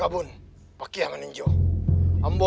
hai jeparko ia dakenya ku